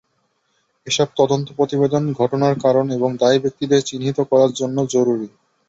এসব তদন্ত প্রতিবেদন ঘটনার কারণ এবং দায়ী ব্যক্তিদের চিহ্নিত করার জন্য জরুরি।